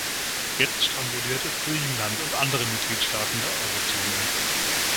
Jetzt stranguliert es Griechenland und andere Mitgliedstaaten der Eurozone.